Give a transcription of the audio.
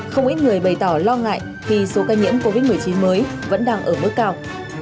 không ít người bày tỏ lo ngại khi số ca nhiễm covid một mươi chín mới vẫn đang ở mức cao